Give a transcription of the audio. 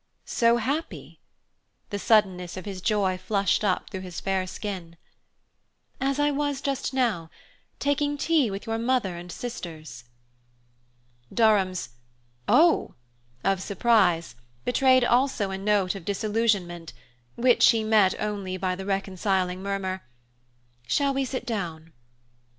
"So happy?" The suddenness of his joy flushed up through his fair skin. "As I was just now taking tea with your mother and sisters." Durham's "Oh!" of surprise betrayed also a note of disillusionment, which she met only by the reconciling murmur: "Shall we sit down?"